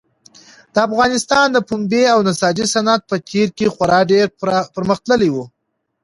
د افغانستان د پنبې او نساجي صنعت په تېر کې خورا ډېر پرمختللی و.